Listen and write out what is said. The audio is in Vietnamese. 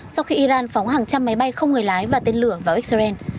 sau khi iran phóng hàng trăm máy bay không người lái và tên lửa vào israel